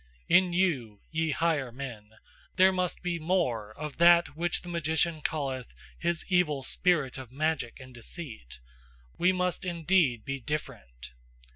In you, ye higher men, there must be more of that which the magician calleth his evil spirit of magic and deceit: we must indeed be different.